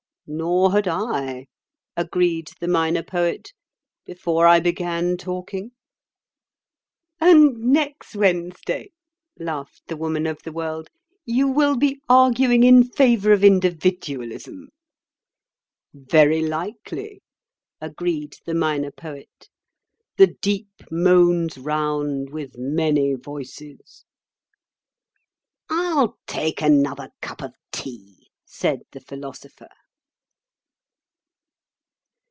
"Nor had I," agreed the Minor Poet, "before I began talking." "And next Wednesday," laughed the Woman of the World; "you will be arguing in favour of individualism." "Very likely," agreed the Minor Poet. "'The deep moans round with many voices.'" "I'll take another cup of tea," said the Philosopher.